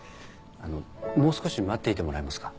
あのもう少し待っていてもらえますか？